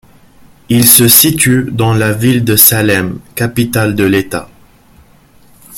Il se situe dans la ville de Salem, capitale de l'État.